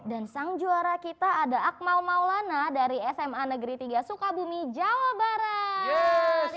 dan sang juara kita ada akmal maulana dari sma negeri tiga suka bumi jawa barat